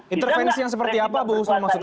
intervensi yang seperti apa bu usul maksud anda